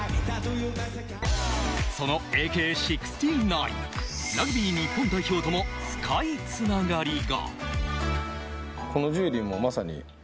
そのＡＫ−６９、ラグビー日本代表とも深い繋がりが。